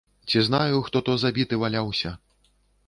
Ці знаю, хто то забіты валяўся?